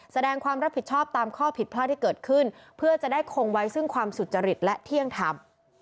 แสดงความรับผิดชอบตามข้อผิดพลาดที่เกิดขึ้นเพื่อจะได้คงไว้ซึ่งความสุจริตและเที่ยงธรรม